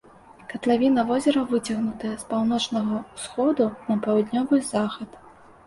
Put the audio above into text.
Катлавіна возера выцягнутая з паўночнага ўсходу на паўднёвы захад.